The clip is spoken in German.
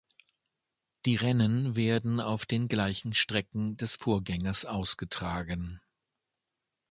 Die Rennen werden auf den gleichen Strecken des Vorgängers ausgetragen.